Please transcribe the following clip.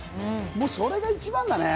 それが一番だね。